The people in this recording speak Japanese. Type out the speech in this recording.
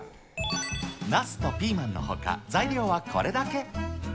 ナスとピーマンのほか、材料はこれだけ。